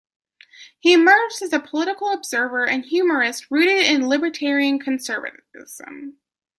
He emerged as a political observer and humorist rooted in libertarian conservatism.